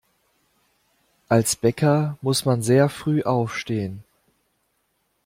Als Bäcker muss man sehr früh aufstehen.